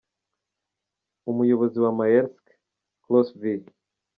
Umuyobozi wa Maersk , Claus V.